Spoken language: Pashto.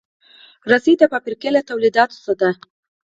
رسۍ د فابریکې له تولیداتو ده.